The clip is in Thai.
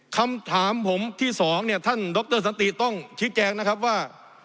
คำถามผมที่สองเนี่ยท่านดรสันติต้องชี้แจงนะครับว่า